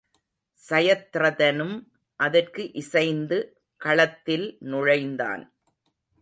சயத்ரதனும் அதற்கு இசைந்து களத்தில் நுழைந்தான்.